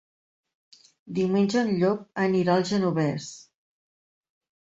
Diumenge en Llop anirà al Genovés.